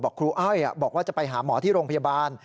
ครูอ้อยบอกว่าจะไปหาหมอที่โรงพยาบาล